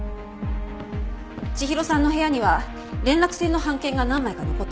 千尋さんの部屋には連絡船の半券が何枚か残ってました。